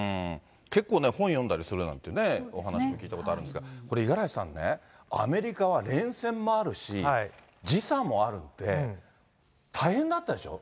結構ね、本読んだりするなんてね、お話も聞いたことあるんですが、これ、五十嵐さんね、アメリカは連戦もあるし、時差もあるんで、大変だったでしょ。